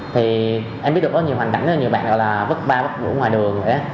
thì em biết được có nhiều hoàn cảnh là nhiều bạn gọi là vứt ba vứt vũ ngoài đường vậy đó